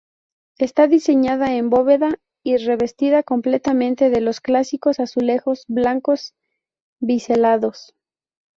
Está diseñada en bóveda y revestida completamente de los clásicos azulejos blancos biselados.